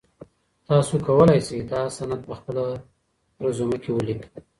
تاسو کولای سئ دا سند په خپله رزومه کي ولیکئ.